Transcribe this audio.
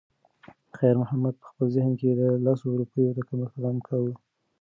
خیر محمد په خپل ذهن کې د لسو روپیو د کمښت غم کاوه.